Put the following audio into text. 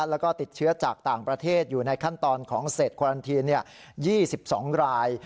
แล้วก็ติดเชื้อจากต่างประเทศอยู่ในขั้นตอนของเศษควารันทีน๒๒ราย